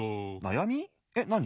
えっなに？